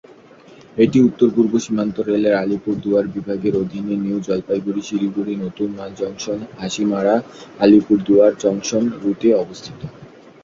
এটি উত্তর-পূর্ব সীমান্ত রেলের আলিপুরদুয়ার বিভাগের অধীনে নিউ জলপাইগুড়ি-শিলিগুড়ি-নতুন মাল জংশন-হাসিমারা-আলিপুরদুয়ার জংশন রুটে অবস্থিত।